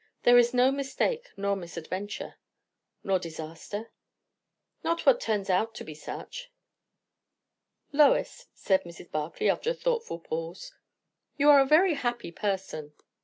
There is no mistake nor misadventure." "Nor disaster?" "Not what turns out to be such." "Lois," said Mrs. Barclay, after a thoughtful pause, "you are a very happy person!"